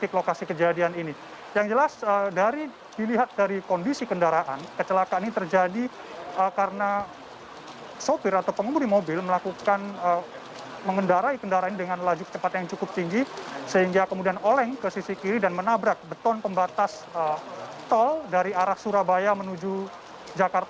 ada juga satu orang yang merupakan pengasuh anak dari pasangan tersebut yang juga berada di posisi kedua dari kendaraan tersebut